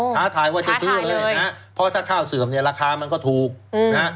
ท้าทายว่าจะซื้อเลยนะฮะเพราะถ้าข้าวเสื่อมเนี่ยราคามันก็ถูกนะฮะ